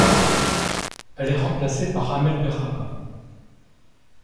Elle est remplacée par Amelle Berrabah.